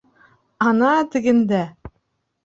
— Ана тегендә!..